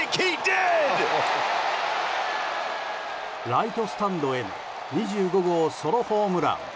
ライトスタンドへの２５号ソロホームラン。